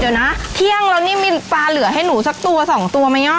เดี๋ยวนะเที่ยงแล้วนี่มีปลาเหลือให้หนูสักตัวสองตัวไหม